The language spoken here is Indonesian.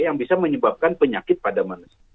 yang bisa menyebabkan penyakit pada manusia